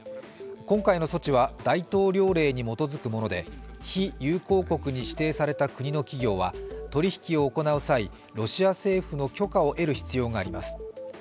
今回の措置は大統領令に基づくもので非友好国に指定された国の企業は取引を行う際ロシア政府の許可を得る必要があります。